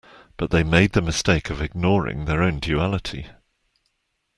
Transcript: But they make the mistake of ignoring their own duality.